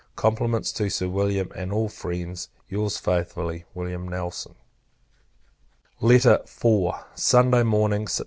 Compliments to Sir William, and all friends. Your's very faithfully, Wm. NELSON. IV. Sunday Morning, Sept.